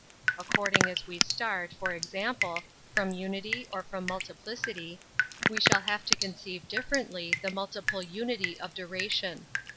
According as we start, for example, from unity or from multiplicity, we shall have to conceive differently the multiple unity of duration.